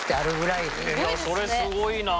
いやそれすごいなあ。